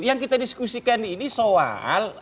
yang kita diskusikan ini soal